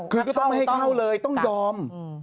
คือก็ต้องไม่ให้เข้าเลยต้องยอม